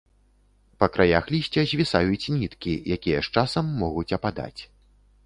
Па краях лісця звісаюць ніткі, якія з часам могуць ападаць.